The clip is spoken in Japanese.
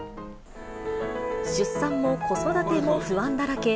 出産も子育ても不安だらけ。